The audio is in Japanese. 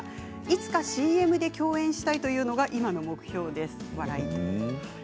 いつかＣＭで共演したいというのが今の目標です。」